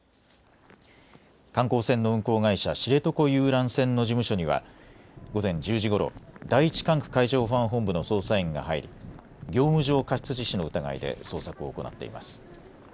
観光船の運航会社、知床遊覧船の事務所には午前１０時ごろ第１管区海上保安本部の捜査員が入り、業務上過失致死の疑いで捜索を行っています。